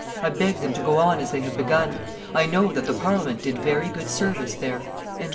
I beg them to go on as they have begun. I know that the Parliament did very good service there."